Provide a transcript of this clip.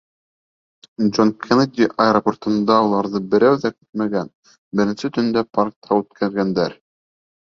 Джон Кеннеди аэропортында уларҙы берәү ҙә көтмәгән, беренсе төндө паркта үткәргәндәр.